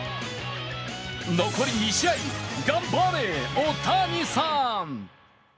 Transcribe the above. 残り２試合、頑張れ、大谷さん。